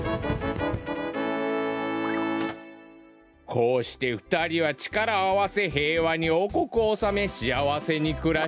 「こうしてふたりはちからをあわせへいわにおうこくをおさめしあわせにくらし」。